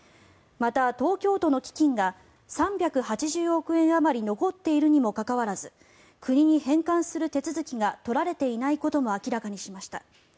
また、東京都の基金が３８０億円あまり残っているにもかかわらず国に返還する手続きが取られていないことも明らかにしました。